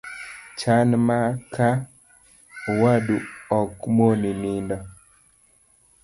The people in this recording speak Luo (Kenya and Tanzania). Chan ma ka owadu ok moni nindo